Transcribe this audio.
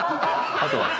あとは？